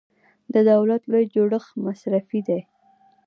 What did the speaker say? د دولت لوی جوړښت مصرفي دی.